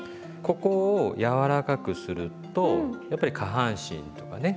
ここをやわらかくするとやっぱり下半身とかね